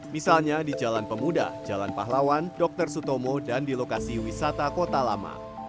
misalnya di jalan pemuda jalan pahlawan dr sutomo dan di lokasi wisata kota lama